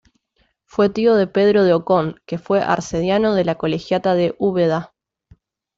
Fue tío de Pedro de Ocón, que fue arcediano de la colegiata de Úbeda.